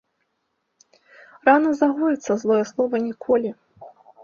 Рана загоіцца, злое слова ‒ ніколі